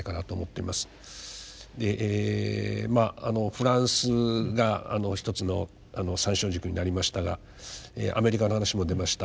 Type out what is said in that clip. フランスがひとつの参照軸になりましたがアメリカの話も出ました